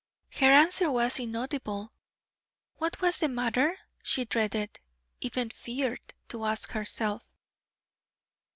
Her answer was inaudible. What was the matter? She dreaded, even feared, to ask herself.